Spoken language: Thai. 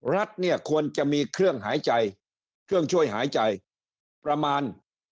รัฐเนี่ยควรจะมีเครื่องหายใจเครื่องช่วยหายใจประมาณ